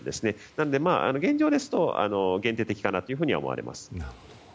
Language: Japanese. なので、現状ですと限定的かなと思われます。